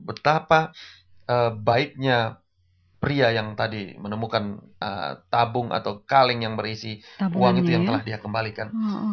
tapi dia masih ingat betapa baiknya pria yang tadi menemukan tabung atau kaleng yang berisi uang itu yang telah dia kembalikan